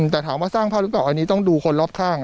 แต่ถามว่าสร้างภาพหรือเปล่าอันนี้ต้องดูคนรอบข้าง